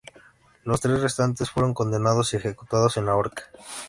Los tres restantes fueron condenados y ejecutados en la horca.